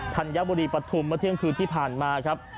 ธัญบุรีปฐุมเมื่อเที่ยงคืนที่ผ่านมาครับ